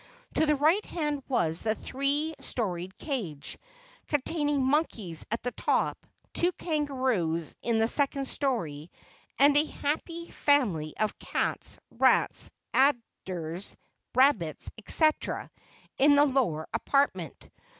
To the right hand was the three storied cage, containing monkeys at the top, two kangaroos in the second story, and a happy family of cats, rats, adders, rabbits, etc., in the lower apartment.